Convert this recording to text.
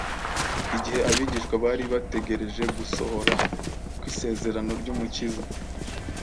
Igihe abigishwa bari bategereje gusohora kw’isezerano ry’Umukiza,